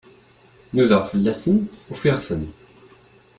Nudaɣ fell-asen, ufiɣ-ten.